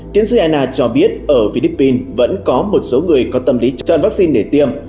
tiến sĩ anna cho biết ở philippines vẫn có một số người có tâm lý tràn vaccine để tiêm